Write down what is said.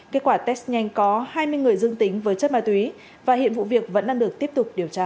kết quả test nhanh có hai mươi người dương tính với chất ma túy và hiện vụ việc vẫn đang được tiếp tục điều tra